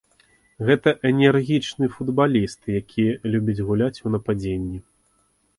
Гэта энергічны футбаліст, які любіць гуляць у нападзенні.